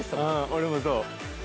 俺もそう。